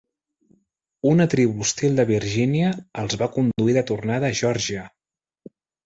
Una tribu hostil de Virgínia els va conduir de tornada a Geòrgia.